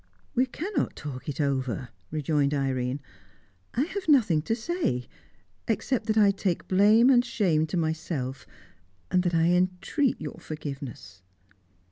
"We cannot talk it over," rejoined Irene. "I have nothing to say except that I take blame and shame to myself, and that I entreat your forgiveness."